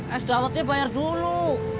es dawetnya bayar dulu